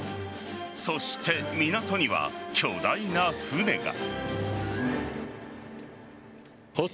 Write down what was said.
そして港には巨大な船が。